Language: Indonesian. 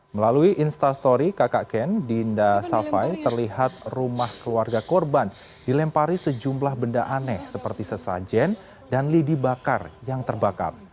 melalui instastory kakak ken dinda safai terlihat rumah keluarga korban dilempari sejumlah benda aneh seperti sesajen dan lidi bakar yang terbakar